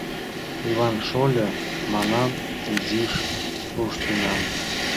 — Йыван шольо, — манам, — изиш руштынам.